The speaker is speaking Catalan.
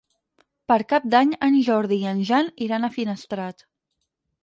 Per Cap d'Any en Jordi i en Jan iran a Finestrat.